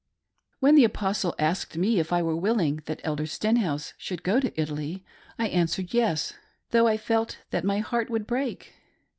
When the Apostle asked me if I were willing that Elder Stenhouse should go to Italy, I answered " Yes," though I felt that my heart would break.